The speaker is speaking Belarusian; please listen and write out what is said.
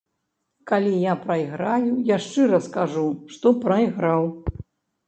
Калі я прайграю, я шчыра скажу, што прайграў.